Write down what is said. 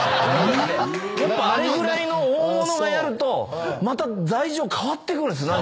あれぐらいの大物がやるとまた罪状変わってくるんです。